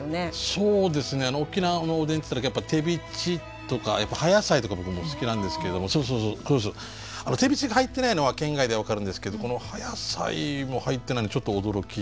そうですね沖縄のおでんっていったらやっぱテビチとかやっぱ葉野菜とかも僕好きなんですけどテビチが入ってないのは県外では分かるんですけどこの葉野菜も入ってないのちょっと驚きではありましたよね。